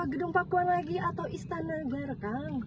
gedung pakuwan lagi atau istanagar kang